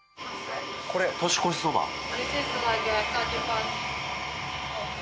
これ年越しそば。